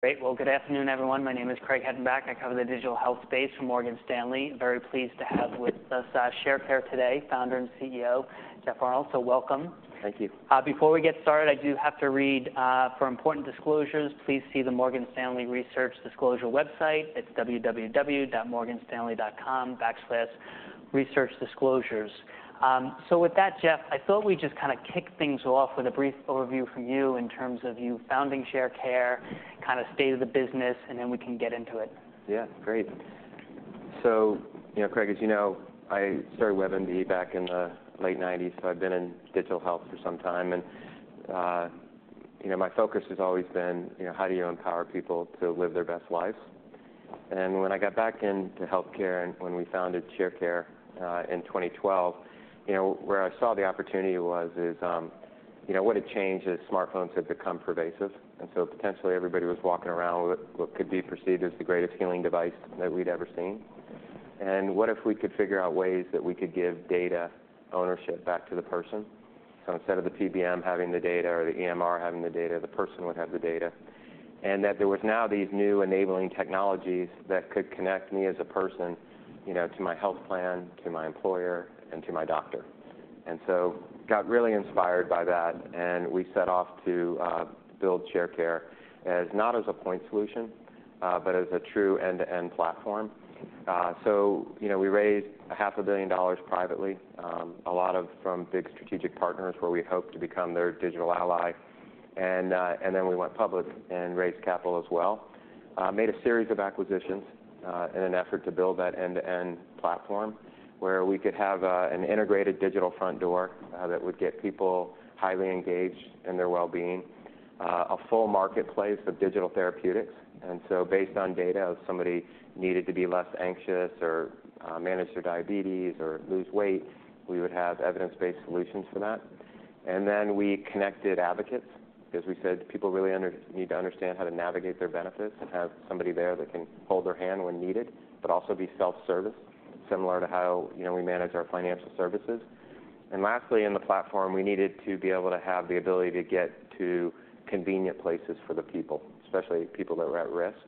Great. Well, good afternoon, everyone. My name is Craig Hettenbach. I cover the digital health space for Morgan Stanley. Very pleased to have with us, Sharecare today, Founder and CEO, Jeff Arnold. So welcome. Thank you. Before we get started, I do have to read, "For important disclosures, please see the Morgan Stanley Research Disclosure website. It's www.morganstanley.com/researchdisclosures." So with that, Jeff, I thought we'd just kinda kick things off with a brief overview from you in terms of you founding Sharecare, kinda state of the business, and then we can get into it. Yeah, great. So, you know, Craig, as you know, I started WebMD back in the late nineties, so I've been in digital health for some time. And, you know, my focus has always been, you know, how do you empower people to live their best lives? And when I got back into healthcare and when we founded Sharecare, in 2012, you know, where I saw the opportunity was, you know, what had changed is smartphones had become pervasive, and so potentially everybody was walking around with what could be perceived as the greatest healing device that we'd ever seen. And what if we could figure out ways that we could give data ownership back to the person? So instead of the PBM having the data or the EMR having the data, the person would have the data. And that there was now these new enabling technologies that could connect me as a person, you know, to my health plan, to my employer, and to my doctor. And so got really inspired by that, and we set off to build Sharecare as, not as a point solution, but as a true end-to-end platform. So, you know, we raised $500 million privately, a lot of from big strategic partners where we hoped to become their digital ally. And, and then we went public and raised capital as well. Made a series of acquisitions, in an effort to build that end-to-end platform, where we could have an integrated digital front door that would get people highly engaged in their well-being. A full marketplace of digital therapeutics, and so based on data, if somebody needed to be less anxious or manage their diabetes or lose weight, we would have evidence-based solutions for that. And then we connected advocates, because we said people really need to understand how to navigate their benefits and have somebody there that can hold their hand when needed, but also be self service, similar to how, you know, we manage our financial services. And lastly, in the platform, we needed to be able to have the ability to get to convenient places for the people, especially people that were at risk,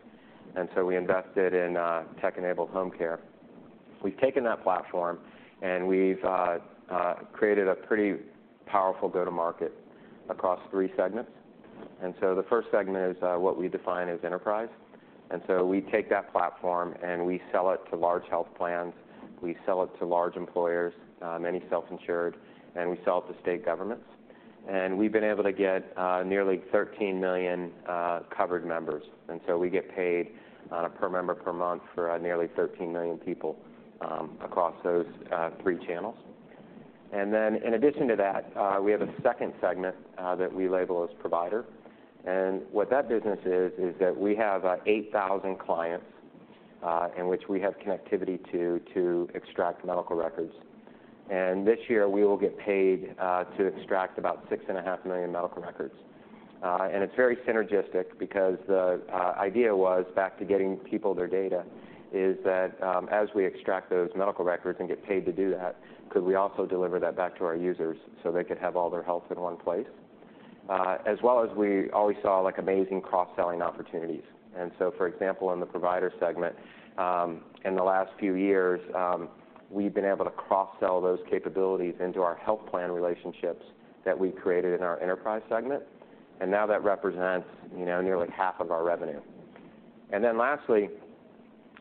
and so we invested in tech-enabled home care. We've taken that platform, and we've created a pretty powerful go to market across three segments. And so the first segment is what we define as enterprise. We take that platform, and we sell it to large health plans, we sell it to large employers, many self-insured, and we sell it to state governments. We've been able to get nearly 13 million covered members, and so we get paid per member per month for nearly 13 million people across those three channels. In addition to that, we have a second segment that we label as provider. What that business is is that we have 8,000 clients in which we have connectivity to extract medical records. This year, we will get paid to extract about 6.5 million medical records. And it's very synergistic because the idea was back to getting people their data, is that, as we extract those medical records and get paid to do that, could we also deliver that back to our users so they could have all their health in one place? As well as we always saw, like, amazing cross-selling opportunities. And so, for example, in the provider segment, in the last few years, we've been able to cross-sell those capabilities into our health plan relationships that we created in our enterprise segment, and now that represents, you know, nearly half of our revenue. And then lastly,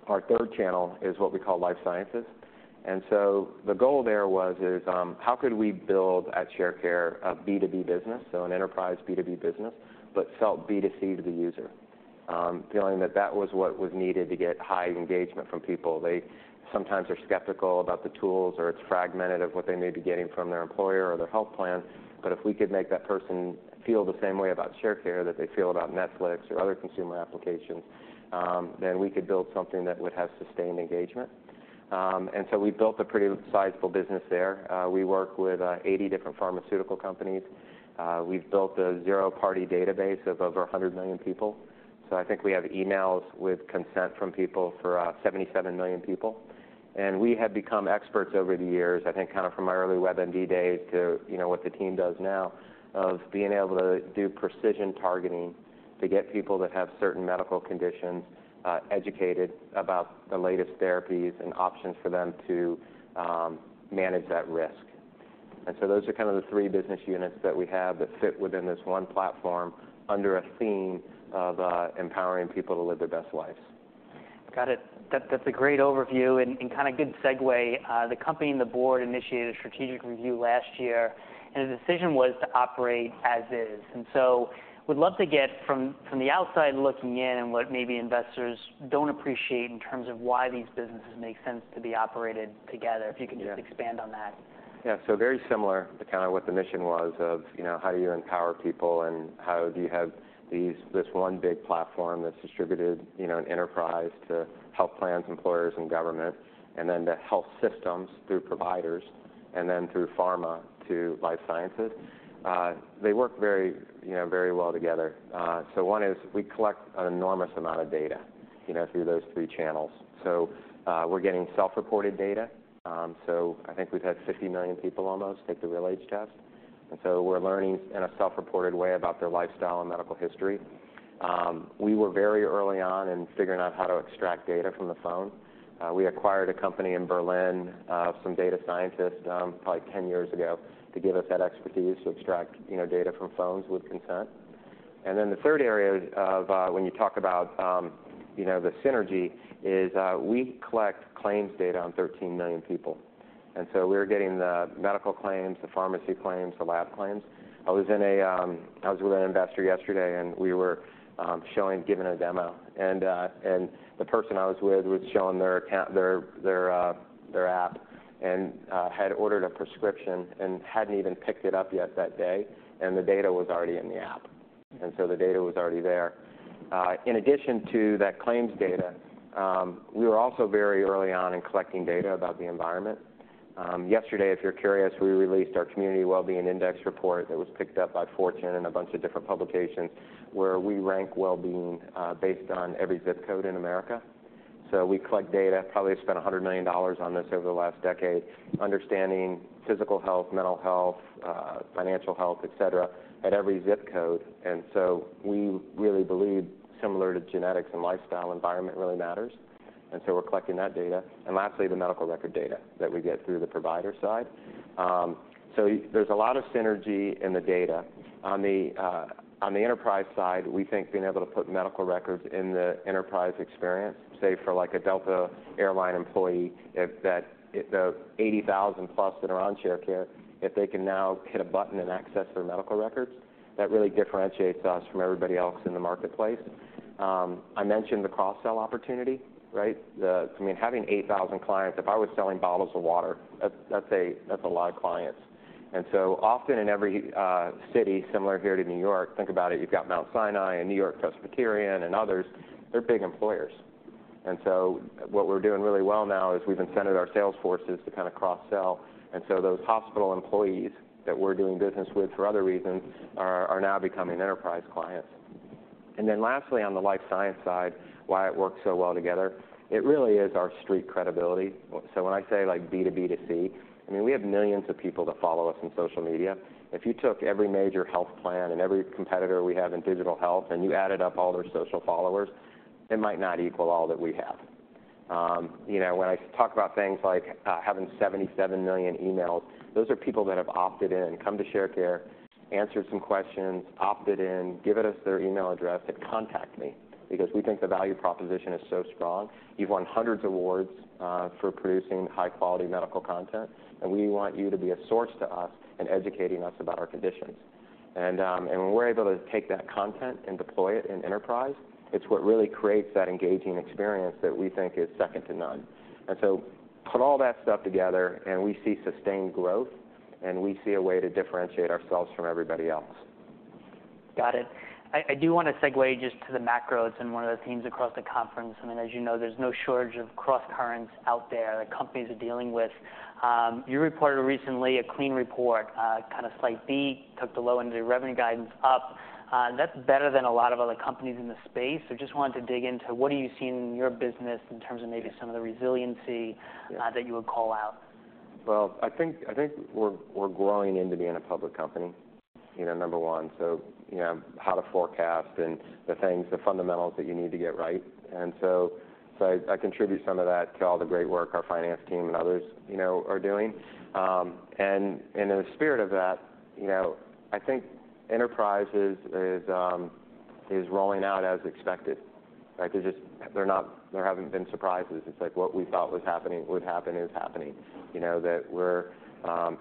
our third channel is what we call life sciences. And so the goal there was, is, how could we build, at Sharecare, a B2B business, so an enterprise B2B business, but felt B2C to the user? Feeling that that was what was needed to get high engagement from people. They sometimes are skeptical about the tools, or it's fragmented of what they may be getting from their employer or their health plan, but if we could make that person feel the same way about Sharecare, that they feel about Netflix or other consumer applications, then we could build something that would have sustained engagement. And so we built a pretty sizable business there. We work with 80 different pharmaceutical companies. We've built a zero party database of over 100 million people. So I think we have emails with consent from people for 77 million people. We have become experts over the years, I think, kind of from my early WebMD days to, you know, what the team does now, of being able to do precision targeting to get people that have certain medical conditions, educated about the latest therapies and options for them to manage that risk. And so those are kind of the three business units that we have that fit within this one platform under a theme of empowering people to live their best lives. Got it. That, that's a great overview and, and kind of good segue. The company and the board initiated a strategic review last year, and the decision was to operate as is. And so we'd love to get from, from the outside looking in, and what maybe investors don't appreciate in terms of why these businesses make sense to be operated together, if you can just- Yeah expand on that. Yeah, so very similar to kinda what the mission was of, you know, how do you empower people, and how do you have this one big platform that's distributed, you know, in enterprise to health plans, employers, and government, and then to health systems through providers, and then through pharma to life sciences. They work very, you know, very well together. So one is we collect an enormous amount of data, you know, through those three channels. So we're getting self-reported data. So I think we've had almost 50 million people take the RealAge Test. And so we're learning in a self-reported way about their lifestyle and medical history. We were very early on in figuring out how to extract data from the phone. We acquired a company in Berlin, some data scientists, probably 10 years ago, to give us that expertise to extract, you know, data from phones with consent. And then the third area of, when you talk about, you know, the synergy, is, we collect claims data on 13 million people, and so we're getting the medical claims, the pharmacy claims, the lab claims. I was with an investor yesterday, and we were giving a demo. And the person I was with was showing their account, their app, and had ordered a prescription and hadn't even picked it up yet that day, and the data was already in the app. And so the data was already there. In addition to that claims data, we were also very early on in collecting data about the environment. Yesterday, if you're curious, we released our Community Wellbeing Index Report that was picked up by Fortune and a bunch of different publications, where we rank wellbeing, based on every ZIP code in America. So we collect data, probably spent $100 million on this over the last decade, understanding physical health, mental health, financial health, et cetera, at every ZIP code. And so we really believe, similar to genetics and lifestyle, environment really matters, and so we're collecting that data. And lastly, the medical record data that we get through the provider side. So there's a lot of synergy in the data. On the enterprise side, we think being able to put medical records in the enterprise experience, say, for, like, a Delta Air Lines employee, if that the+ 80,000 that are on Sharecare, if they can now hit a button and access their medical records, that really differentiates us from everybody else in the marketplace. I mentioned the cross-sell opportunity, right? I mean, having 8,000 clients, if I was selling bottles of water, that's a lot of clients. And so often in every city, similar here to New York, think about it, you've got Mount Sinai and NewYork Presbyterian and others, they're big employers. And so what we're doing really well now is we've incented our sales forces to kind of cross-sell. And so those hospital employees that we're doing business with for other reasons are now becoming enterprise clients. And then lastly, on the life science side, why it works so well together, it really is our street credibility. So when I say, like, B to B to C, I mean, we have millions of people that follow us on social media. If you took every major health plan and every competitor we have in digital health, and you added up all their social followers, it might not equal all that we have. You know, when I talk about things like having 77 million emails, those are people that have opted in, come to Sharecare, answered some questions, opted in, given us their email address, and contact me, because we think the value proposition is so strong. We've won hundreds of awards for producing high quality medical content, and we want you to be a source to us in educating us about our conditions. And when we're able to take that content and deploy it in enterprise, it's what really creates that engaging experience that we think is second to none. And so put all that stuff together, and we see sustained growth, and we see a way to differentiate ourselves from everybody else. Got it. I do want to segue just to the macros and one of the themes across the conference. I mean, as you know, there's no shortage of crosscurrents out there that companies are dealing with. You reported recently a clean report, kind of slight B, took the low end of your revenue guidance up. That's better than a lot of other companies in the space. So just wanted to dig into what do you see in your business in terms of maybe some of the resiliency. Yeah. that you would call out? Well, I think we're growing into being a public company, you know, number one, so, you know, how to forecast and the things, the fundamentals that you need to get right. And so I contribute some of that to all the great work our finance team and others, you know, are doing. And in the spirit of that, you know, I think enterprise is rolling out as expected, right? There's just, they're not, there haven't been surprises. It's like what we thought was happening, would happen, is happening. You know, that we're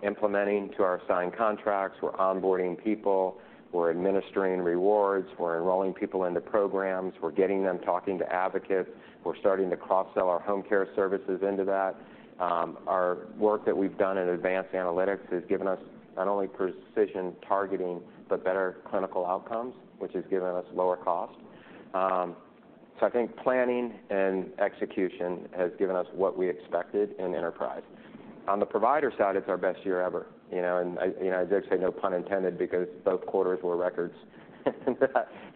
implementing to our signed contracts, we're onboarding people, we're administering rewards, we're enrolling people into programs, we're getting them talking to advocates, we're starting to cross-sell our home care services into that. Our work that we've done in advanced analytics has given us not only precision targeting, but better clinical outcomes, which has given us lower cost. So I think planning and execution has given us what we expected in enterprise. On the provider side, it's our best year ever, you know, and I, you know, I dare say no pun intended, because both quarters were records,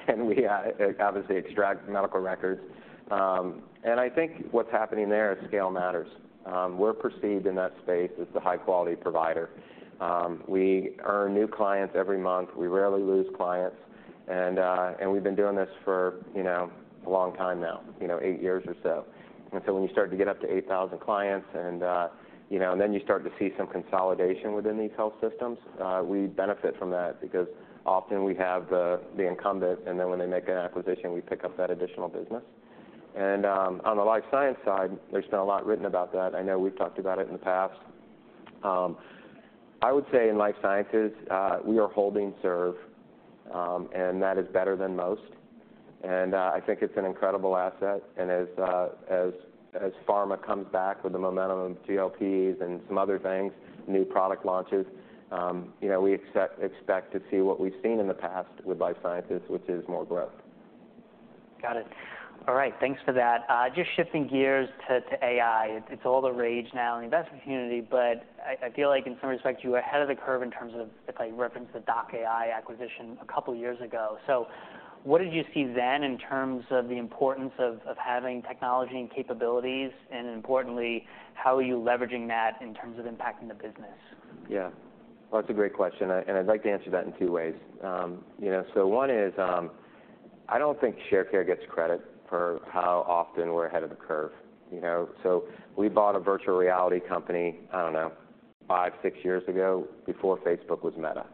and we obviously extract medical records. And I think what's happening there is scale matters. We're perceived in that space as the high-quality provider. We earn new clients every month. We rarely lose clients, and, and we've been doing this for, you know, a long time now, you know, eight years or so. And so when you start to get up to 8,000 clients and, you know, and then you start to see some consolidation within these health systems, we benefit from that because often we have the incumbent, and then when they make an acquisition, we pick up that additional business. On the life science side, there's been a lot written about that. I know we've talked about it in the past. I would say in life sciences, we are holding serve, and that is better than most. I think it's an incredible asset, and as pharma comes back with the momentum of GLPs and some other things, new product launches, you know, we expect to see what we've seen in the past with life sciences, which is more growth. Got it. All right, thanks for that. Just shifting gears to AI. It's all the rage now in the investment community, but I feel like in some respects, you were ahead of the curve in terms of, if I reference the doc.ai acquisition a couple years ago. So what did you see then in terms of the importance of having technology and capabilities, and importantly, how are you leveraging that in terms of impacting the business? Yeah. Well, that's a great question, and I'd like to answer that in two ways. You know, so one is, I don't think Sharecare gets credit for how often we're ahead of the curve, you know? So we bought a virtual reality company, I don't know, five, six years ago, before Facebook was Meta.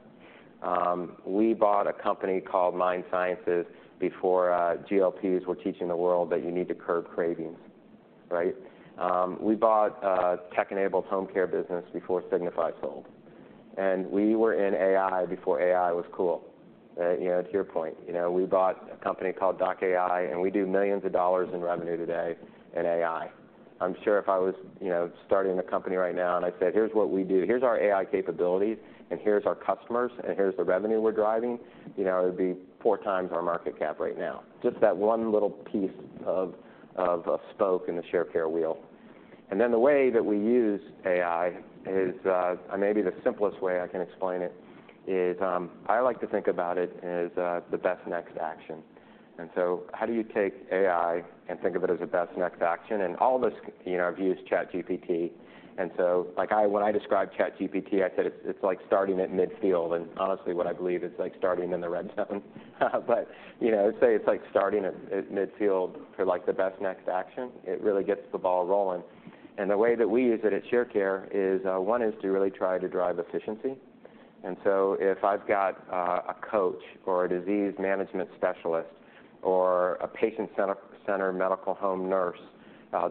We bought a company called MindSciences before GLPs were teaching the world that you need to curb cravings, right? We bought a tech enabled home care business before Cigna acquired. And we were in AI before AI was cool. You know, to your point, you know, we bought a company called doc.ai, and we do $90 millions in revenue today in AI. I'm sure if I was, you know, starting a company right now, and I said, "Here's what we do. Here's our AI capabilities, and here's our customers, and here's the revenue we're driving," you know, it would be four times our market cap right now. Just that one little piece of spoke in the Sharecare wheel. And then the way that we use AI is, and maybe the simplest way I can explain it is, I like to think about it as the best next action. And so how do you take AI and think of it as the best next action? And all of us, you know, have used ChatGPT, and so like when I describe ChatGPT, I said, "It's, it's like starting at midfield." And honestly, what I believe is, like, starting in the red zone. But, you know, say it's like starting at midfield for, like, the best next action. It really gets the ball rolling. The way that we use it at Sharecare is, one, is to really try to drive efficiency. So if I've got a coach or a disease management specialist or a patient-centered medical home nurse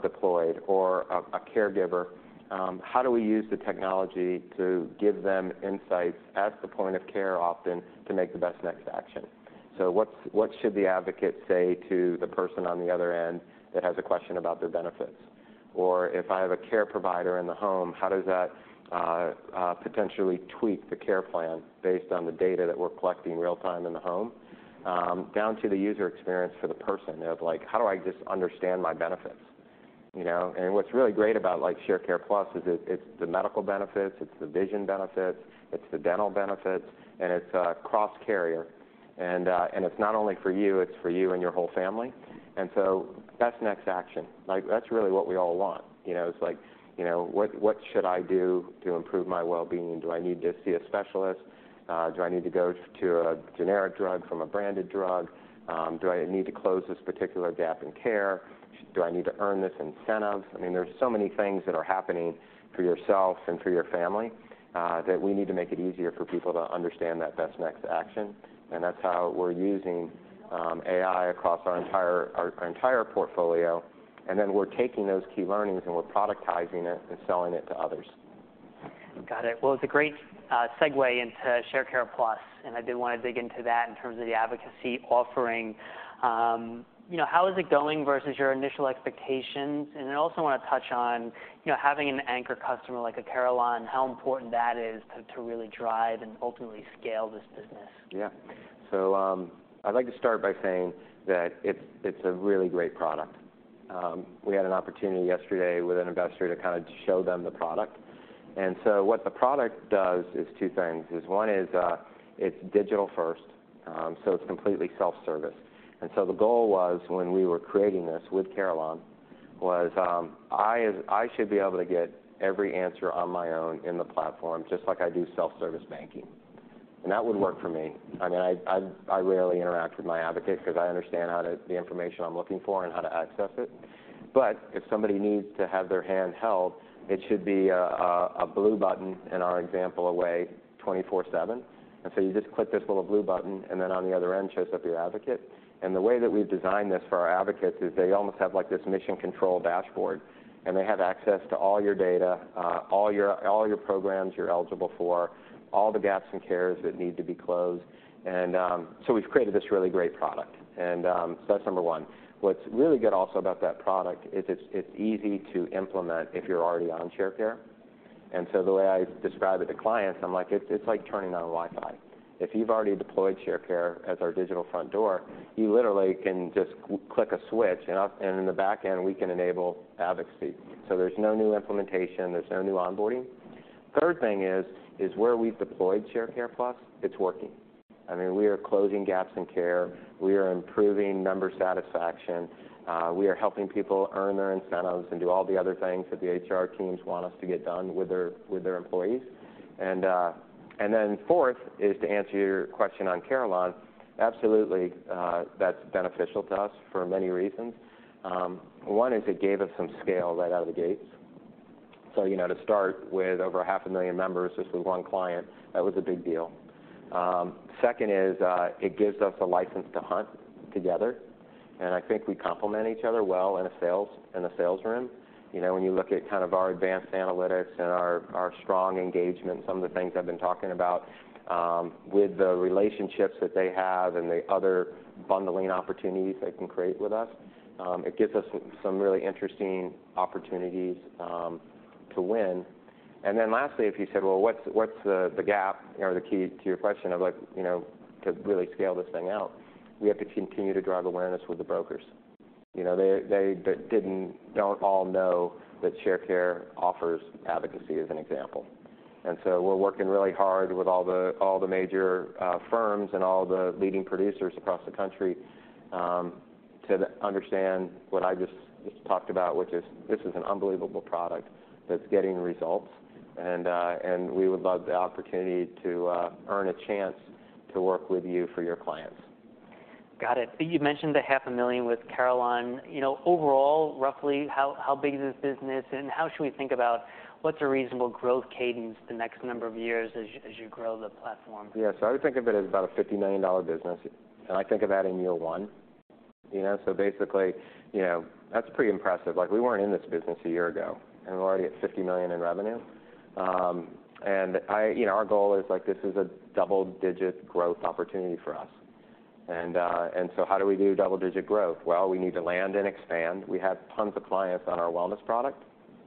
deployed, or a caregiver, how do we use the technology to give them insights at the point of care, often, to make the best next action? So what should the advocate say to the person on the other end that has a question about their benefits? Or if I have a care provider in the home, how does that potentially tweak the care plan based on the data that we're collecting real time in the home, down to the user experience for the person of, like, how do I just understand my benefits, you know? And what's really great about, like, Sharecare+ is it's the medical benefits, it's the vision benefits, it's the dental benefits, and it's cross carrier. And it's not only for you, it's for you and your whole family. And so that's next action. Like, that's really what we all want. You know, it's like, you know, what, what should I do to improve my well-being? Do I need to see a specialist? Do I need to go to a generic drug from a branded drug? Do I need to close this particular gap in care? Do I need to earn this incentive? I mean, there's so many things that are happening for yourself and for your family that we need to make it easier for people to understand that best next action, and that's how we're using AI across our entire, our entire portfolio. And then we're taking those key learnings, and we're productizing it and selling it to others. Got it. Well, it's a great segue into Sharecare+, and I did want to dig into that in terms of the advocacy offering. You know, how is it going versus your initial expectations? I also want to touch on, you know, having an anchor customer like a Carelon, how important that is to, to really drive and ultimately scale this business. Yeah. So, I'd like to start by saying that it's a really great product. We had an opportunity yesterday with an investor to kind of show them the product. And so what the product does is two things, is one is it's digital first, so it's completely self-service. And so the goal was, when we were creating this with Carelon, was I should be able to get every answer on my own in the platform, just like I do self-service banking. And that would work for me. I mean, I rarely interact with my advocate because I understand how to the information I'm looking for and how to access it. But if somebody needs to have their hand held, it should be a blue button, in our example, away 24/7. You just click this little blue button, and then on the other end, shows up your advocate. The way that we've designed this for our advocates is they almost have, like, this mission control dashboard, and they have access to all your data, all your programs you're eligible for, all the gaps in care that need to be closed. So we've created this really great product, and so that's number one. What's really good also about that product is it's easy to implement if you're already on Sharecare. The way I describe it to clients, I'm like: It's like turning on Wi-Fi. If you've already deployed Sharecare as our digital front door, you literally can just click a switch, and in the back end, we can enable advocacy. So there's no new implementation, there's no new onboarding. Third thing is where we've deployed Sharecare+, it's working. I mean, we are closing gaps in care. We are improving member satisfaction. We are helping people earn their incentives and do all the other things that the HR teams want us to get done with their employees. And then fourth is, to answer your question on Carelon, absolutely, that's beneficial to us for many reasons. One is it gave us some scale right out of the gates. So, you know, to start with over half a million members, just with one client, that was a big deal. Second is, it gives us a license to hunt together, and I think we complement each other well in a sales room. You know, when you look at kind of our advanced analytics and our, our strong engagement, some of the things I've been talking about, with the relationships that they have and the other bundling opportunities they can create with us, it gives us some really interesting opportunities to win. And then lastly, if you said, "Well, what's the gap?" Or the key to your question of like, you know, to really scale this thing out, we have to continue to drive awareness with the brokers. You know, they don't all know that Sharecare offers advocacy, as an example. And so we're working really hard with all the major firms and all the leading producers across the country. To understand what I just talked about, which is, this is an unbelievable product that's getting results, and we would love the opportunity to earn a chance to work with you for your clients. Got it. So you mentioned the 500,000 with Carelon. You know, overall, roughly, how, how big is this business, and how should we think about what's a reasonable growth cadence the next number of years as you, as you grow the platform? Yeah, so I would think of it as about a $50 million business, and I think of that in year one, you know? So basically, you know, that's pretty impressive. Like, we weren't in this business a year ago, and we're already at $50 million in revenue. And I you know, our goal is, like, this is a double-digit growth opportunity for us. And, and so how do we do double-digit growth? Well, we need to land and expand. We have tons of clients on our wellness product,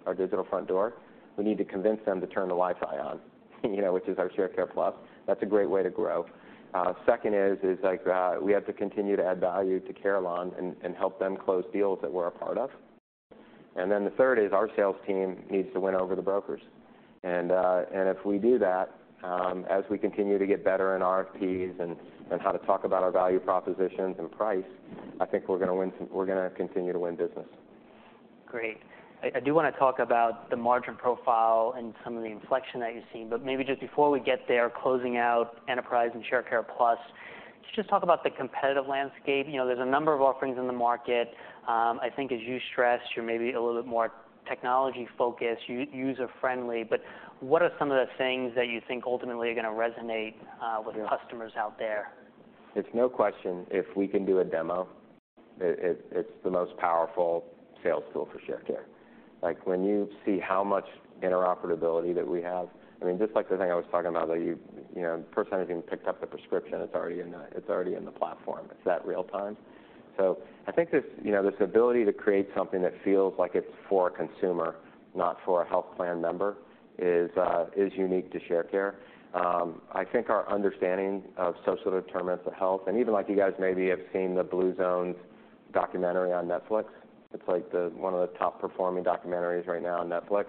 our digital front door. We need to convince them to turn the WI-FI on, you know, which is our Sharecare+. That's a great way to grow. Second is, like, we have to continue to add value to Carelon and, and help them close deals that we're a part of. And then the third is, our sales team needs to win over the brokers. And if we do that, as we continue to get better in RFPs and how to talk about our value propositions and price, I think we're gonna win some. We're gonna continue to win business. Great. I do wanna talk about the margin profile and some of the inflection that you've seen, but maybe just before we get there, closing out Enterprise and Sharecare+, can you just talk about the competitive landscape? You know, there's a number of offerings in the market. I think as you stressed, you're maybe a little bit more technology-focused, user-friendly, but what are some of the things that you think ultimately are gonna resonate? Yeah with customers out there? It's no question, if we can do a demo, it's the most powerful sales tool for Sharecare. Like, when you see how much interoperability that we have, I mean, just like the thing I was talking about, that you know, the person hasn't even picked up the prescription, it's already in the platform. It's that real time. So I think this, you know, this ability to create something that feels like it's for a consumer, not for a health plan member, is unique to Sharecare. I think our understanding of social determinants of health, and even, like, you guys maybe have seen the Blue Zones documentary on Netflix. It's like the one of the top-performing documentaries right now on Netflix.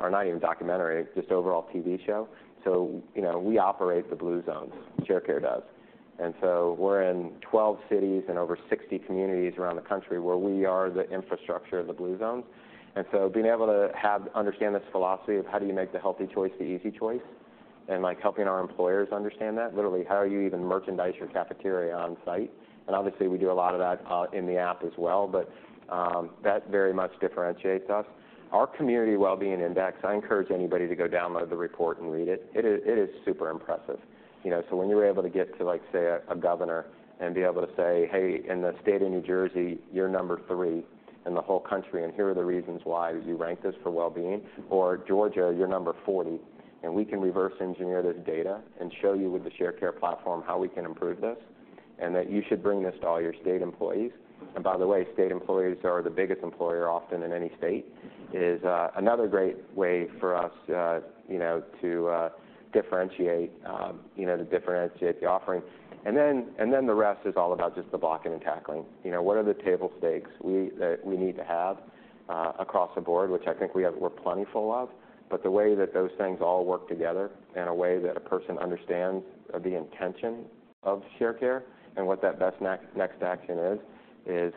Or not even a documentary, just overall TV show. So, you know, we operate the Blue Zones, Sharecare does. And so we're in 12 cities and over 60 communities around the country, where we are the infrastructure of the Blue Zones. And so being able to understand this philosophy of how do you make the healthy choice the easy choice, and, like, helping our employers understand that, literally, how you even merchandise your cafeteria on site, and obviously, we do a lot of that in the app as well, but that very much differentiates us. Our Community Wellbeing Index, I encourage anybody to go download the report and read it. It is, it is super impressive. You know, so when you are able to get to, like, say, a governor and be able to say, "Hey, in the state of New Jersey, you're number three in the whole country, and here are the reasons why, as you rank this for wellbeing." Or: "Georgia, you're number 40, and we can reverse engineer this data and show you with the Sharecare platform how we can improve this, and that you should bring this to all your state employees." And by the way, state employees are the biggest employer often in any state, another great way for us to differentiate the offering. And then the rest is all about just the blocking and tackling. You know, what are the table stakes that we need to have across the board, which I think we have plenty of, but the way that those things all work together in a way that a person understands the intention of Sharecare and what that best next action is,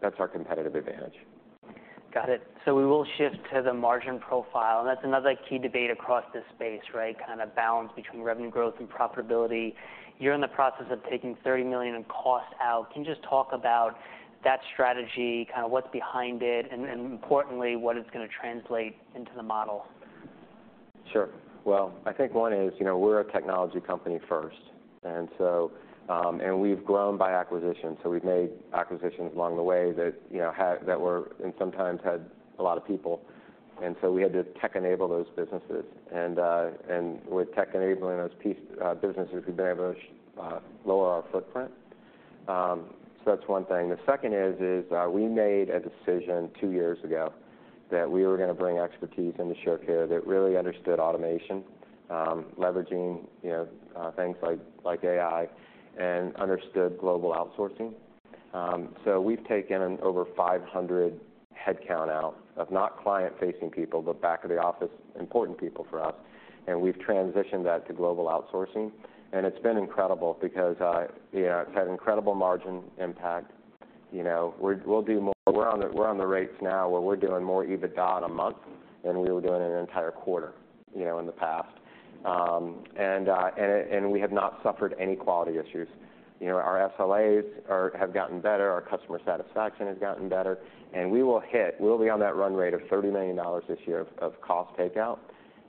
that's our competitive advantage. Got it. We will shift to the margin profile, and that's another key debate across this space, right? Kind of balance between revenue growth and profitability. You're in the process of taking $30 million in costs out. Can you just talk about that strategy, kind of what's behind it, and, and importantly, what it's gonna translate into the model? Sure. Well, I think one is, you know, we're a technology company first, and so... And we've grown by acquisition. So we've made acquisitions along the way that, you know, that were, and sometimes had a lot of people, and so we had to tech enable those businesses. And, and with tech enabling those businesses, we've been able to lower our footprint. So that's one thing. The second is, we made a decision two years ago that we were gonna bring expertise into Sharecare that really understood automation, leveraging, you know, things like AI, and understood global outsourcing. So we've taken over 500 headcount out of not client-facing people, but back-office, important people for us, and we've transitioned that to global outsourcing. And it's been incredible because, you know, it's had incredible margin impact. You know, we'll do more. We're on the run rates now, where we're doing more EBITDA in a month than we were doing in an entire quarter, you know, in the past. And we have not suffered any quality issues. You know, our SLAs have gotten better, our customer satisfaction has gotten better, and we'll be on that run rate of $30 million this year of cost takeout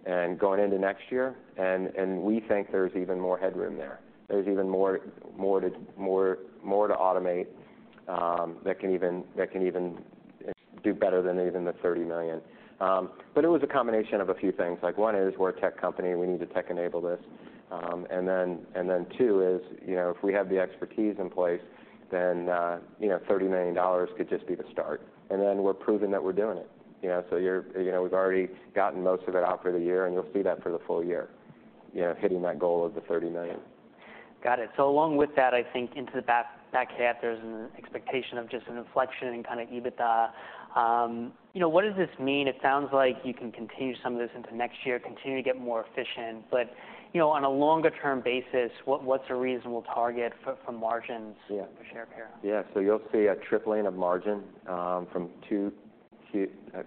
and going into next year, and we think there's even more headroom there. There's even more to automate that can even do better than even the $30 million. But it was a combination of a few things. Like, one is we're a tech company, and we need to tech enable this. Then, 2 is, you know, if we have the expertise in place, then, you know, $30 million could just be the start. And then we're proving that we're doing it. You know, so you're, you know, we've already gotten most of it out for the year, and you'll see that for the full year, you know, hitting that goal of the $30 million. Got it. So along with that, I think into the back half, there's an expectation of just an inflection in kind of EBITDA. You know, what does this mean? It sounds like you can continue some of this into next year, continue to get more efficient, but, you know, on a longer-term basis, what's a reasonable target for margins- Yeah... for Sharecare? Yeah. So you'll see a tripling of margin from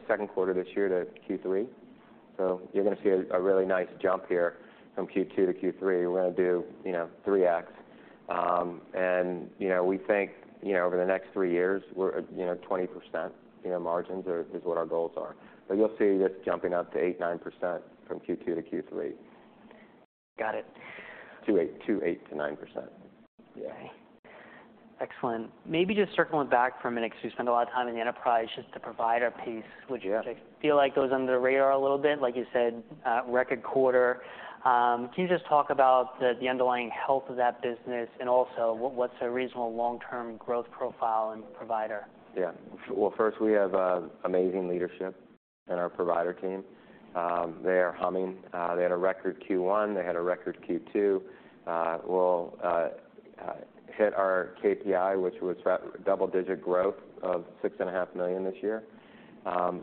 second quarter this year to Q3. So you're gonna see a really nice jump here from Q2 to Q3. We're gonna do, you know, 3x. And, you know, we think, you know, over the next three years, we're, you know, 20%, you know, margins are is what our goals are. But you'll see this jumping up to 8-9% from Q2 to Q3. Got it. 2-8, 8-9%. Yeah. Okay. Excellent. Maybe just circling back for a minute, because we spend a lot of time in the enterprise, just the provider piece- Yeah. -which I feel like goes under the radar a little bit. Like you said, record quarter. Can you just talk about the underlying health of that business, and also what's a reasonable long-term growth profile in provider? Yeah. Well, first, we have amazing leadership in our provider team. They are humming. They had a record Q1, they had a record Q2. We'll hit our KPI, which was double-digit growth of 6.5 million this year.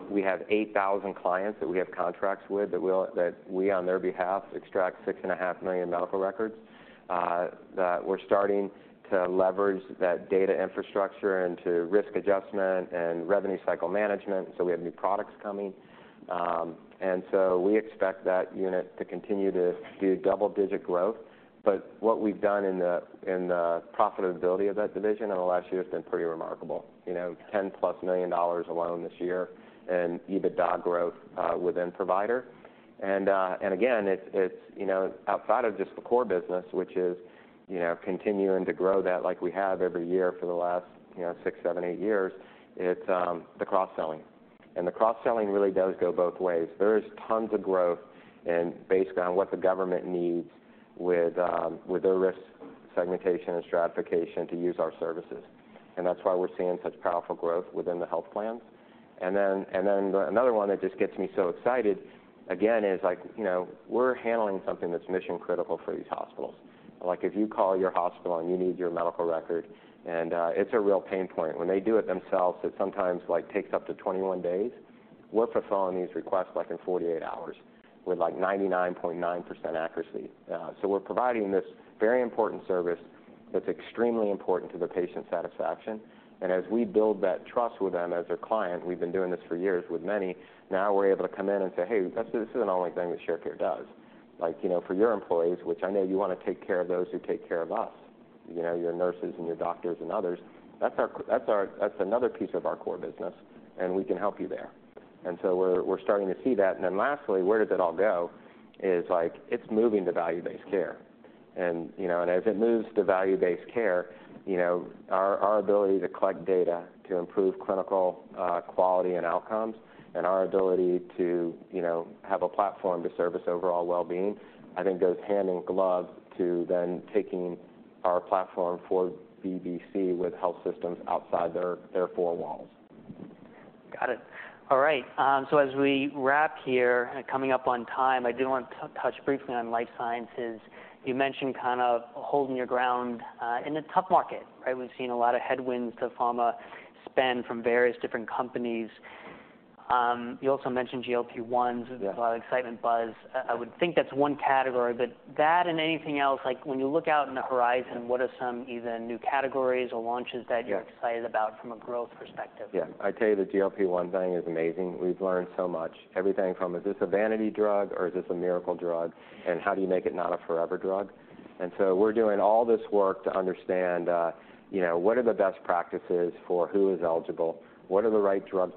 We have 8,000 clients that we have contracts with, that we, on their behalf, extract 6.5 million medical records, that we're starting to leverage that data infrastructure into risk adjustment and revenue cycle management, so we have new products coming. And so we expect that unit to continue to do double-digit growth. But what we've done in the profitability of that division in the last year has been pretty remarkable. You know, $10+ million alone this year in EBITDA growth within provider. And again, it's you know, outside of just the core business, which is you know, continuing to grow that like we have every year for the last you know, six, seven, eight years, it's the cross-selling. And the cross-selling really does go both ways. There is tons of growth and based on what the government needs with their risk segmentation and stratification to use our services, and that's why we're seeing such powerful growth within the health plans. And then another one that just gets me so excited, again, is like you know, we're handling something that's mission-critical for these hospitals. Like, if you call your hospital, and you need your medical record, and it's a real pain point. When they do it themselves, it sometimes like takes up to 21 days. We're fulfilling these requests, like, in 48 hours with, like, 99.9% accuracy. So we're providing this very important service that's extremely important to the patient satisfaction. And as we build that trust with them as a client, we've been doing this for years with many, now we're able to come in and say: "Hey, that's, this isn't the only thing that Sharecare does. Like, you know, for your employees, which I know you wanna take care of those who take care of us, you know, your nurses and your doctors and others, that's our, that's our, that's another piece of our core business, and we can help you there." And so we're, we're starting to see that. And then lastly, where does it all go? Is like, it's moving to value-based care. You know, as it moves to Value-Based Care, you know, our, our ability to collect data to improve clinical quality and outcomes, and our ability to, you know, have a platform to service overall well-being, I think goes hand in glove to then taking our platform for VBC with health systems outside their, their four walls. Got it. All right, so as we wrap here, coming up on time, I do want to touch briefly on life sciences. You mentioned kind of holding your ground in a tough market, right? We've seen a lot of headwinds to pharma spend from various different companies. You also mentioned GLP-1s- Yeah -a lot of excitement buzz. I would think that's one category, but that, and anything else, like, when you look out in the horizon, what are some either new categories or launches that- Yeah You're excited about from a growth perspective? Yeah. I'd tell you, the GLP-1 thing is amazing. We've learned so much. Everything from, is this a vanity drug, or is this a miracle drug? And how do you make it not a forever drug? And so we're doing all this work to understand, you know, what are the best practices for who is eligible? What are the right drug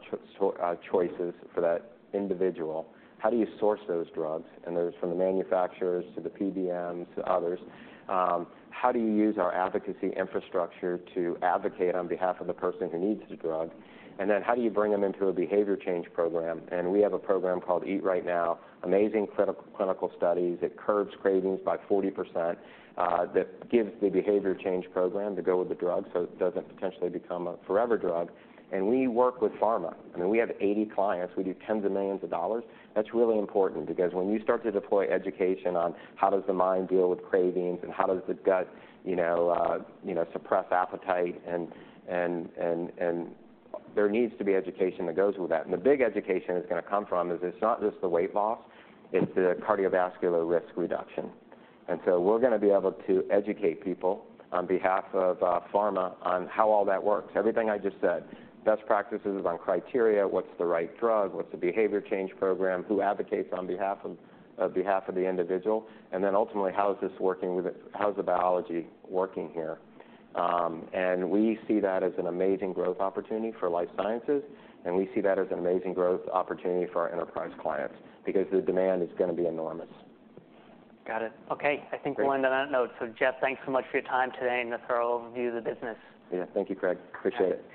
choices for that individual? How do you source those drugs? And whether it's from the manufacturers, to the PBMs, to others. How do you use our advocacy infrastructure to advocate on behalf of the person who needs the drug? And then, how do you bring them into a behavior change program? And we have a program called Eat Right Now, amazing clinical studies. It curbs cravings by 40%, that gives the behavior change program to go with the drug, so it doesn't potentially become a forever drug. And we work with pharma. I mean, we have 80 clients. We do $10s of millions. That's really important because when you start to deploy education on: how does the mind deal with cravings, and how does the gut, you know, suppress appetite? And there needs to be education that goes with that. And the big education is gonna come from is, it's not just the weight loss, it's the cardiovascular risk reduction. And so we're gonna be able to educate people on behalf of pharma, on how all that works. Everything I just said, best practices on criteria, what's the right drug, what's the behavior change program, who advocates on behalf of the individual, and then ultimately, how is this working with the, how's the biology working here? And we see that as an amazing growth opportunity for life sciences, and we see that as an amazing growth opportunity for our enterprise clients, because the demand is gonna be enormous. Got it. Okay. Great. I think we'll end on that note. So, Jeff, thanks so much for your time today and the thorough overview of the business. Yeah. Thank you, Graig. Appreciate it.